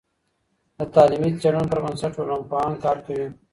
د تعلیمي څیړنو پر بنسټ ټولنپوهان کار کوي.